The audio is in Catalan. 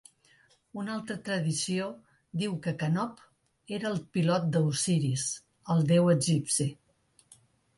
Una altra tradició diu que Canop era el pilot d'Osiris, el déu egipci.